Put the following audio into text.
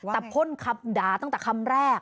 แต่พ่นคำด่าตั้งแต่คำแรก